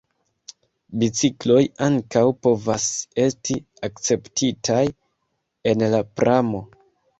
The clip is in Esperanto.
Bicikloj ankaŭ povas esti akceptitaj en la pramo.